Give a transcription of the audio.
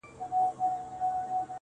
چي يوه لپه ښكلا يې راته راكړه~